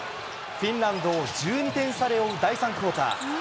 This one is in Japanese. フィンランドを１２点差で追う第３クオーター。